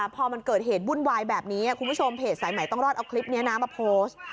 พอมันเกิดเหตุวุ่นวายแบบนี้คุณผู้ชมเพจสายใหม่ต้องรอดเอาคลิปนี้นะมาโพสต์